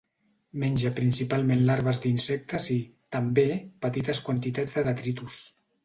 Menja principalment larves d'insectes i, també, petites quantitats de detritus.